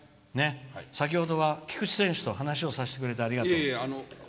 先ほどは菊池選手と話させてくれてありがとう。